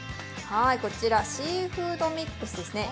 こちら、シーフードミックスですね。